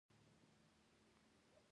پام وکړئ چې پیسې هر څه نه دي دا حقیقت دی.